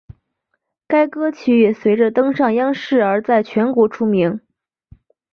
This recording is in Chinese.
该歌曲也随着登上央视而在全国出名。